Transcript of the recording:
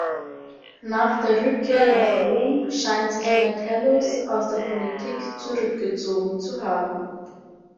Nach der Rückkehr nach Rom scheint sich Metellus aus der Politik zurückgezogen zu haben.